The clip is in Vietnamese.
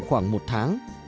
khoảng một tháng